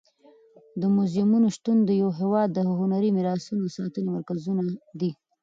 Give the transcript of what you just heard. د موزیمونو شتون د یو هېواد د هنري میراثونو د ساتنې مرکزونه دي.